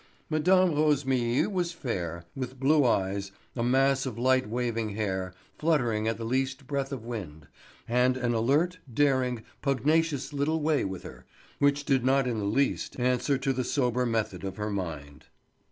Mme. Rosémilly was fair, with blue eyes, a mass of light waving hair, fluttering at the least breath of wind, and an alert, daring, pugnacious little way with her, which did not in the least answer to the sober method of her mind.